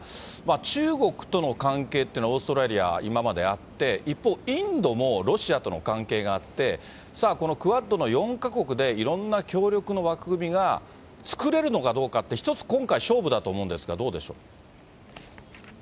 中国との関係っていうのはオーストラリア、今まであって、一方、インドもロシアとの関係があって、さあ、このクアッドの４か国でいろんな協力の枠組みが作れるのかどうかって、一つ、今回勝負だと思うんですけれども、どうでしょう。